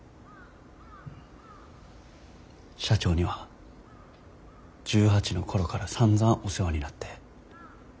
社長には１８の頃からさんざんお世話になって。